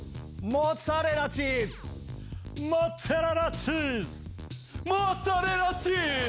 モッツァレラチーズ‼モッツァレラチズ‼モッツァレラチズ！